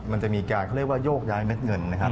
มันจะมีการเขาเรียกว่าโยกย้ายเม็ดเงินนะครับ